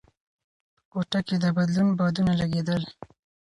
په کوټه کې د بدلون بادونه لګېدل.